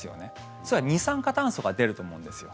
つまり、二酸化炭素が出ると思うんですよ。